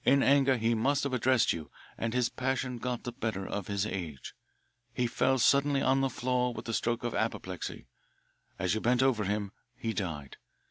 In anger he must have addressed you, and his passion got the better of his age he fell suddenly on the floor with a stroke of apoplexy. As you bent over him he died.